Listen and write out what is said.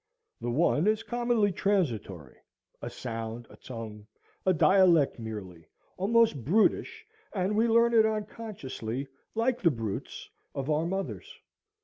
The one is commonly transitory, a sound, a tongue, a dialect merely, almost brutish, and we learn it unconsciously, like the brutes, of our mothers.